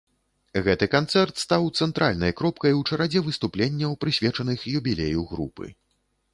Гэты канцэрт стаў цэнтральнай кропкай у чарадзе выступленняў, прысвечаных юбілею групы.